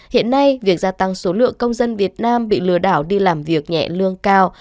hiện nay việc gia tăng số lượng công dân việt nam bị lừa đảo đi làm việc nhẹ lương cao